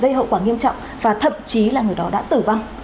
gây hậu quả nghiêm trọng và thậm chí là người đó đã tử vong